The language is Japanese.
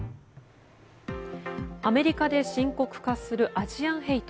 アメリカで深刻化するアジアンヘイト。